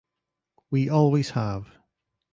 We always have.